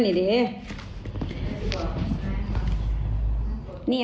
ในข้าวเลยเหรอ